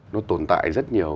nó tồn tại rất nhiều